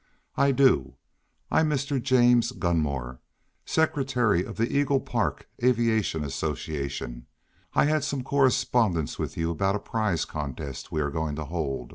"I do. I'm Mr. James Gunmore, secretary of the Eagle Park Aviation Association. I had some correspondence with you about a prize contest we are going to hold.